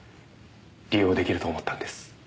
利用出来ると思ったんです。